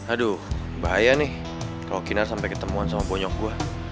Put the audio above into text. aduh bahaya nih kalo kinar sampe ketemuan sama ponyok gue